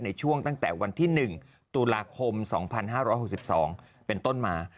ในช่วงตั้งแต่วันที่๑ตุลาคม๒๕๖๒เป็นต้นมา